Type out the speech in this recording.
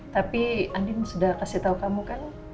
tapi andien sudah kasih tau kamu kan